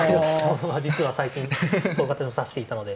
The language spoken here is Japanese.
実は最近若手と指していたので。